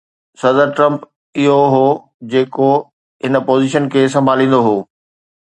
صدر ٽرمپ اهو هو جيڪو هن پوزيشن کي سنڀاليندو هو